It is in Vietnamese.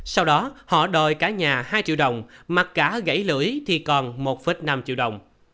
sau đó họ đòi cả nhà hai triệu đồng mặc cả gãy lưỡi thì còn một năm triệu đồng